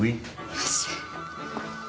よし。